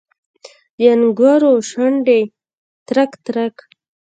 د انګورو شونډې ترک، ترک